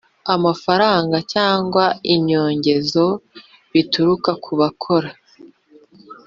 Amafaranga cyangwa inyongezo bituruka ku bakora